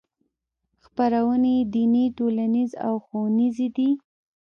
خپرونې یې دیني ټولنیزې او ښوونیزې دي.